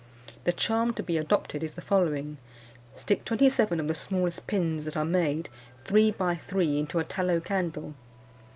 The charm to be adopted is the following: Stick twenty seven of the smallest pins that are made, three by three, into a tallow candle.